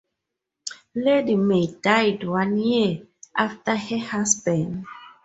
Lady May died one year after her husband.